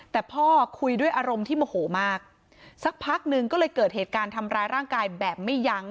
แต่พ่อคุยด้วยอารมณ์ที่โมโหมากสักพักหนึ่งก็เลยเกิดเหตุการณ์ทำร้ายร่างกายแบบไม่ยั้ง